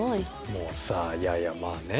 もうさいやいやまあね。